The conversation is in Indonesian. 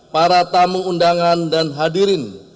para tamu undangan dan hadirin